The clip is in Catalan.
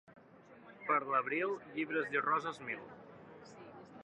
Per l'abril, llibres i roses mil.